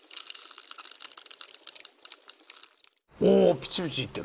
おおピチピチいってる。